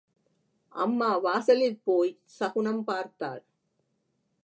அம்மா வாசலில் போய்ச் சகுனம் பார்த்தாள்.